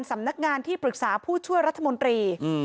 สำนักงานที่ปรึกษาผู้ช่วยรัฐมนตรี